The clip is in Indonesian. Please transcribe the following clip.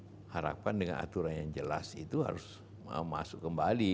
kita harapkan dengan aturan yang jelas itu harus masuk kembali